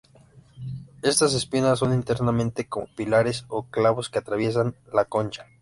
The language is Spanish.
Estas espinas son internamente como pilares o clavos que atraviesan la concha.